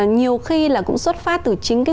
nhiều khi là cũng xuất phát từ chính cái